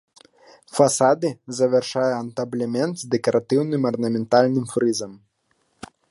Фасады завяршае антаблемент з дэкаратыўным арнаментальным фрызам.